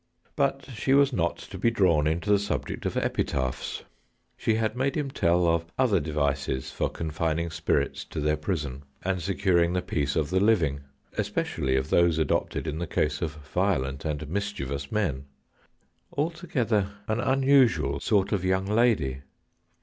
But she was not to be drawn into the subject of epitaphs. She had made him tell of other devices for confining spirits to their prison, and securing the peace of the living, especially of those adopted in the case of violent and mischievous men. Altogether an unusual sort of young lady.